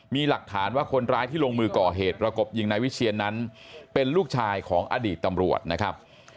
มีหลักฐานว่าคนร้ายที่ลงมือก่อเหตุประกบยิงนายวิเชียนนั้นเป็นลูกชายของอดีตตำรวจนะครับ